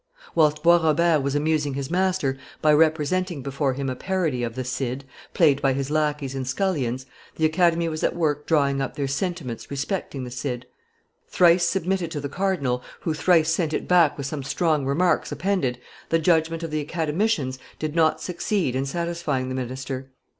Whilst Bois Robert was amusing his master by representing before him a parody of the Cid, played by his lackeys and scullions, the Academy was at work drawing up their Sentiments respecting the Cid. Thrice submitted to the cardinal, who thrice sent it back with some strong remarks appended, the judgment of the Academicians did not succeed in satisfying the minister.